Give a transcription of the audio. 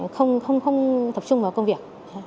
không không không tập trung vào công việc